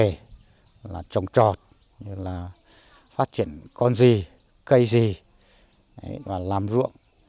như là trồng trọt phát triển con gì cây gì làm ruộng